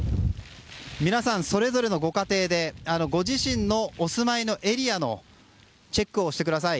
皆さん、それぞれのご家庭でご自身のお住まいのエリアのチェックをしてください。